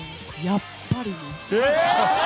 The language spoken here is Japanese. やっぱりな。